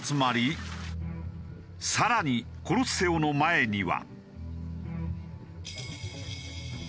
さらにコロッセオの前には。